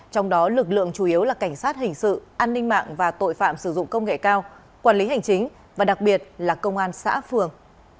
trong đó lực lượng chủ yếu là cảnh sát hình sự an ninh mạng và tội phạm sử dụng công nghệ cao quản lý hành chính và đặc biệt là công an xã phường